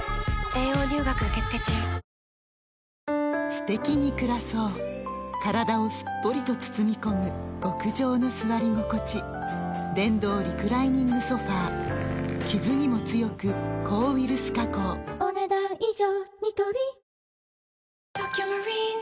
すてきに暮らそう体をすっぽりと包み込む極上の座り心地電動リクライニングソファ傷にも強く抗ウイルス加工お、ねだん以上。